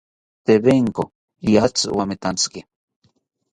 Tewenko riatzi owametantziki